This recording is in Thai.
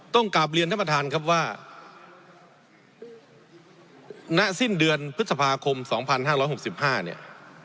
กลับเรียนท่านประธานครับว่าณสิ้นเดือนพฤษภาคม๒๕๖๕เนี่ย